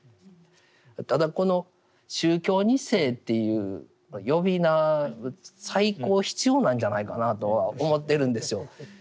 ただこの「宗教２世」っていう呼び名再考必要なんじゃないかなとは思ってるんですよ。